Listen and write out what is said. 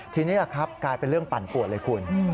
ทีนี้แหละครับกลายเป็นเรื่องปั่นปวดเลยคุณ